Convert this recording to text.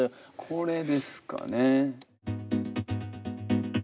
これですかね。